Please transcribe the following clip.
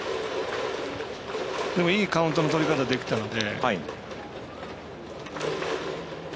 いいカウントのとり方ができたので。